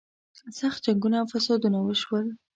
سخت جنګونه او فسادونه وشول.